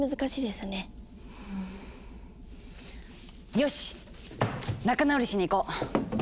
よし仲直りしに行こう！